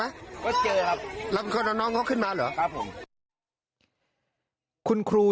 ว่าเจอครับแล้วเขาเอาน้องเขาขึ้นมาเหรอครับผมคุณครู